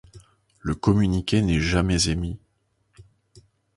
Le communiqué n'est jamais émis.